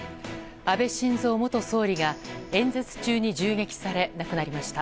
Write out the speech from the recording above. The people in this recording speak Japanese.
安倍晋三元総理が演説中に銃撃され亡くなりました。